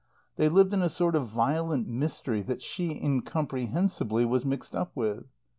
They lived in a sort of violent mystery that she, incomprehensibly, was mixed up with.